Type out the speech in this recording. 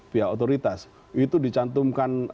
pihak otoritas itu dicantumkan